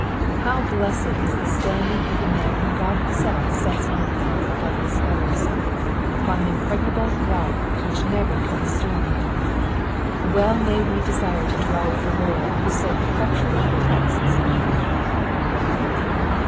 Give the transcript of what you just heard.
How blessed is the standing of the man whom Ood himself sets on high above his foes, upon an impreraiable rock which never can be stormed I Well may we desire to dwell with the Lord who so effectually protects his people.